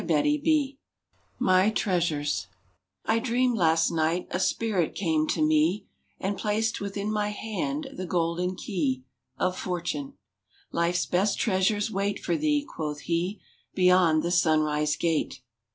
57] MY TREASURES I DREAMED last night a Spirit came to me And placed within my hand the golden key Of Fortune. " Life s best treasures wait For thee," quoth he, " beyond the Sunrise Gate."